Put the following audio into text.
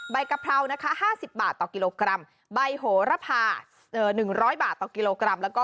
ใบกะเพรานะคะ๕๐บาทต่อกกใบโหระพา๑๐๐บาทต่อกกแล้วก็